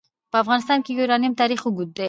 په افغانستان کې د یورانیم تاریخ اوږد دی.